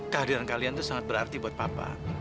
kehadiran kalian itu sangat berarti buat papa